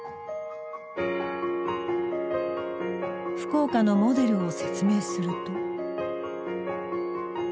福岡のモデルを説明すると。